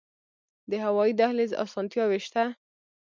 د هوایی دهلیز اسانتیاوې شته؟